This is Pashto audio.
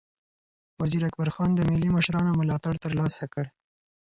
وزیر اکبرخان د ملي مشرانو ملاتړ ترلاسه کړ.